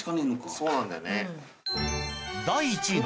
そうなんだね。